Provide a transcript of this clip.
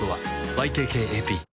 ＹＫＫＡＰ